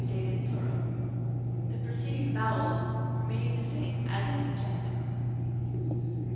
plural, the preceding vowel remaining the same as in the genitive.